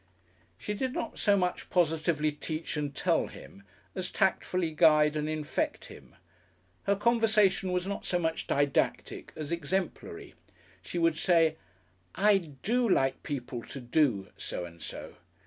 She did not so much positively teach and tell him as tactfully guide and infect him. Her conversation was not so much didactic as exemplary. She would say, "I do like people to do" so and so.